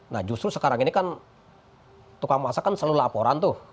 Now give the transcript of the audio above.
nah justru sekarang ini kan tukang masak kan selalu laporan tuh